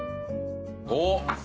おっ。